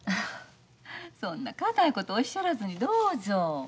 そんな堅いことおっしゃらずにどうぞ。